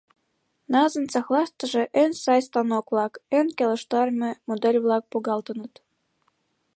НАЗ-ын цехлаштыже эн сай станок-влак, эн келыштарыме модель-влак погалтыныт.